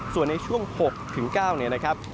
ส่วนในช่วง๖๙องศาเซียตนะครับ